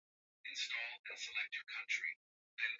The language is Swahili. akizungumza kutoka the hague nchini uholanzi